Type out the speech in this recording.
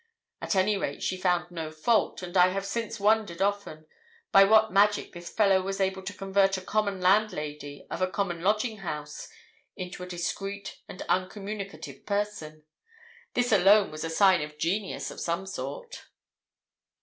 At any rate she found no fault, and I have since wondered often by what magic this fellow was able to convert a common landlady of a common lodging house into a discreet and uncommunicative person. This alone was a sign of genius of some sort.